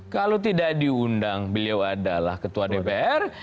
kalau tidak diundang beliau adalah ketua dpr